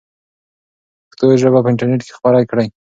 پښتو ژبه په انټرنیټ کې خپره کړئ.